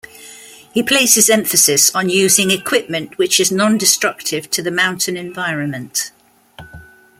He places emphasis on using equipment which is non-destructive to the mountain environment.